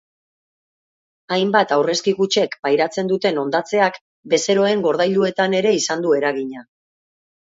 Hainbat aurrezki kutxek pairatzen dute hondatzeak bezeroen gordailuetan ere izan du eragina.